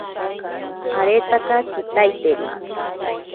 Aretaka kitaiteri.